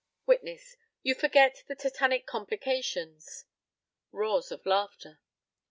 Witness: You forget the tetanic complications. (Roars of laughter.)